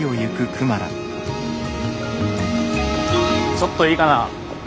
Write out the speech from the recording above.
ちょっといいかな？